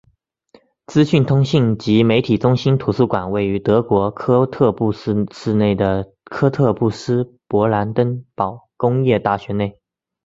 资讯通信及媒体中心图书馆位于德国科特布斯市内的科特布斯勃兰登堡工业大学内。